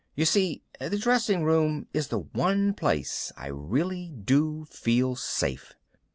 You see, the dressing room is the one place I really do feel safe.